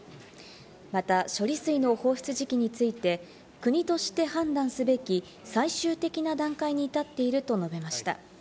また、処理水の放出時期について、国として判断すべき最終的な段階に至っていると述べました。